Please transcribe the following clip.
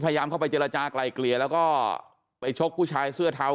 พยายามเข้าไปเจรจากลายเกลี่ยแล้วก็ไปชกผู้ชายเสื้อเทา